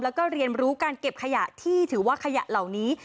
แล้วก็เรียนรู้การเก็บขยะที่ถือว่าขยะเหล่านี้